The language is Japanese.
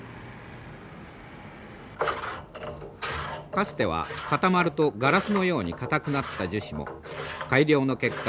かつては固まるとガラスのように硬くなった樹脂も改良の結果